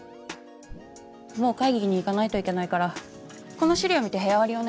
もう会議に行かないといけないからこの資料見て部屋割りをお願いね。